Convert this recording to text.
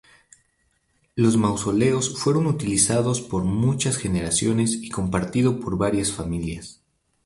Los mausoleos fueron utilizados por muchas generaciones y compartido por varias familias.